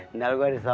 tidak lalu gue di sana